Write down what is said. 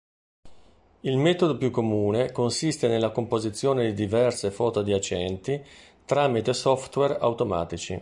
Il metodo più comune consiste nella composizione di diverse foto adiacenti tramite software automatici.